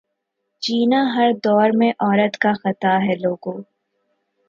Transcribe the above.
جینا ہر دور میں عورت کا خطا ہے لوگو